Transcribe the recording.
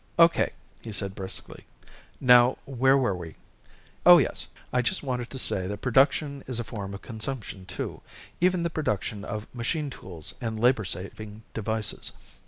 "O.K.," he said briskly. "Now, where were we? Oh, yes. I just wanted to say that production is a form of consumption, too even the production of machine tools and labor saving devices.